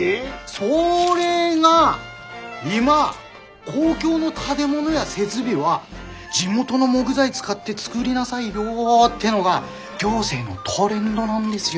それが今公共の建物や設備は地元の木材使って作りなさいよっていうのが行政のトレンドなんですよ。